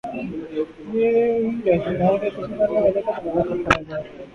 یہی رہ جاتا ہے کہ کسی جاننے والے کا دروازہ کھٹکھٹایا جائے۔